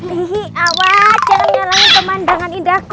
hihi awaa jangan nyalahin pemandangan indahku